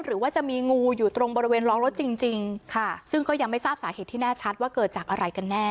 หรือว่าจะมีงูอยู่ตรงบริเวณล้อรถจริงจริงค่ะซึ่งก็ยังไม่ทราบสาเหตุที่แน่ชัดว่าเกิดจากอะไรกันแน่